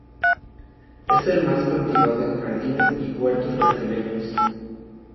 Es el más cultivado en jardines y huertos brasileños.